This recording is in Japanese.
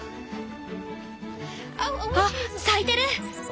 あっ咲いてる！